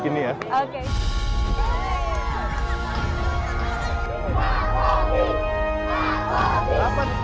yang dimanfaatkan untuk masyarakat